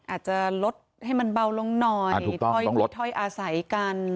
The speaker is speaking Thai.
อาจจะลดให้มันเบาลงหน่อยถอยอาศัยกัน